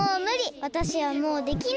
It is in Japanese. わたしはもうできない！